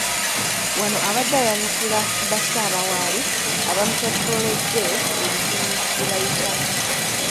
Wano abadde ayanukula bassaabawaali abamuttottoledde ebizibu bye bayitamu.